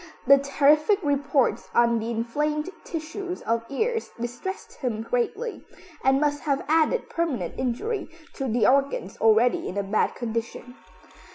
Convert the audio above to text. The terrific reports on the inflamed tissues of his ears distressed him greatly, and must have added permanent injury to the organs already in a bad condition.